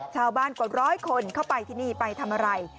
ชาวบ้านกว่าร้อยคนเข้าไปที่นี่ไปทำอะไร